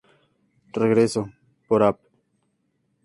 Regreso: Por Av.